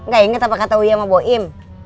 gak inget apa kata uja sama boim